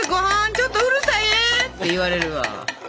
ちょっとうるさいえ！」って言われるわ。